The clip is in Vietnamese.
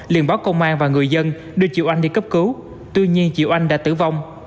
liền báo công an và người dân đưa chị oanh đi cấp cứu tuy nhiên chị oanh đã tử vong